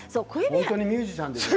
本当にミュージシャンですか？